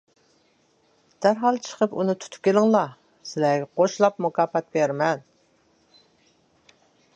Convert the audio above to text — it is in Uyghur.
دەرھال چىقىپ ئۇنى تۇتۇپ كېلىڭلار. سىلەرگە قوشلاپ مۇكاپات بېرىمەن.